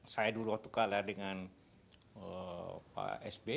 saya dulu waktu kalah dengan pak s b